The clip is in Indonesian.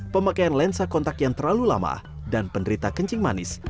pemakaian lensa kontak yang terlalu lama dan penderita kencing manis